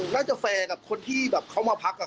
น่าจะแฟร์กับคนที่เขามาพักครับ